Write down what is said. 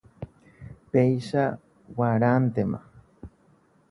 Péicha g̃uarãntema.